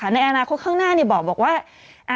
ในอนาคตข้างหน้าบอกว่า